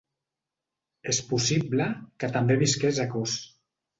És possible que també visqués a Kos.